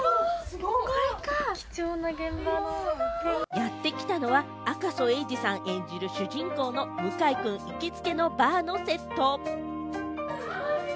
やってきたのは、赤楚衛二さん演じる、主人公の向井くん行きつけのバーのセット。